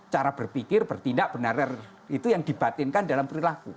cara berpikir bertindak benar itu yang dibatinkan dalam perilaku